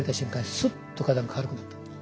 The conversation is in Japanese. スッと肩が軽くなった。